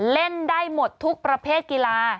เล่นได้หมดทุกประเภทกีฬา